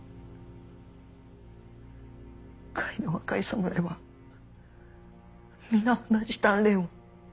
甲斐の若い侍は皆同じ鍛錬を。